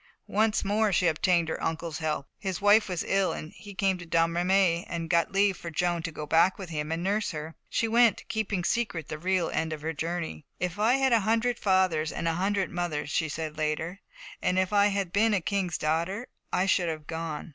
Once more she obtained her uncle's help. His wife was ill, and he came to Domremy and got leave for Joan to go back with him and nurse her. She went, keeping secret the real end of her journey. "If I had had a hundred fathers and a hundred mothers," she said later, "and if I had been a king's daughter, I should have gone."